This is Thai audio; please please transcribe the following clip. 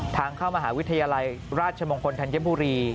ทางเข้ามหาวิทยาลัยราชมงคลธัญบุรี